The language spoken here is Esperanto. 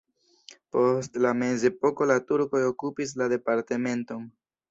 Post la mezepoko la turkoj okupis la departementon.